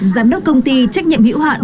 giám đốc công ty trách nhiệm hiểu hạn